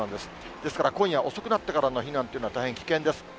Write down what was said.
ですから、今夜遅くなってからの避難というのは大変危険です。